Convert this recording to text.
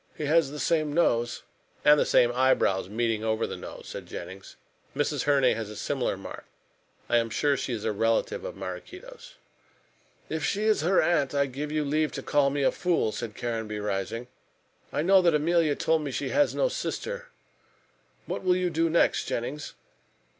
He has the same nose." "And the same eyebrows meeting over the nose," said Jennings. "Mrs. Herne has a similar mark. I am sure she is a relative of Maraquito's." "If she is her aunt, I give you leave to call me a fool," said Caranby, rising. "I know that Emilia told me she had no sister. What will you do next, Jennings?"